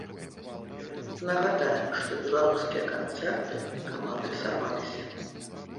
Нагадаем, што беларускія канцэрты каманды сарваліся.